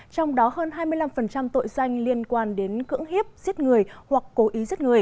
trong đó hơn hai mươi năm tội danh liên quan đến cưỡng hiếp giết người hoặc cố ý